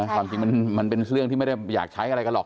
ความจริงมันเป็นเรื่องที่ไม่ได้อยากใช้อะไรกันหรอก